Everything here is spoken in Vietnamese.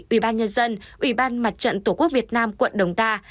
ubnd ubnd mặt trận tổ quốc việt nam quận đồng đa